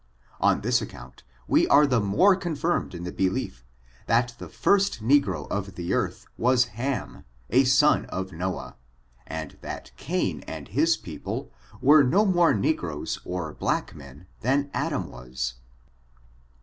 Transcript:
On this account, we are the more confirmed in the belief, that the first ne gro of the earth was fTam, a son of Noah, and that Cain and his people, were no more negroes or black men tJian Adam was.